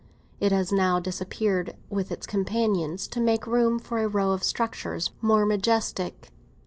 It has now disappeared, with its companions, to make room for a row of structures more majestic.